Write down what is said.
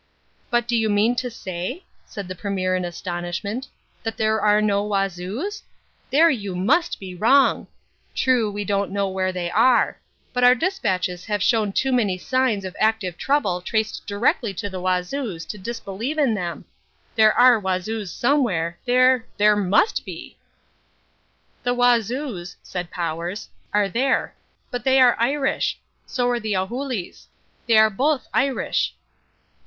"But do you mean to say," said the Premier in astonishment, "that there are no Wazoos? There you must be wrong. True we don't just know where they are. But our despatches have shown too many signs of active trouble traced directly to the Wazoos to disbelieve in them. There are Wazoos somewhere, there there must be." "The Wazoos," said Powers, "are there. But they are Irish. So are the Ohulîs. They are both Irish."